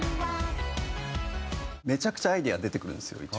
めちゃくちゃアイデア出てくるんですよ